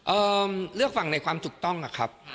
เลือกฟังในความถูกต้องอะครับ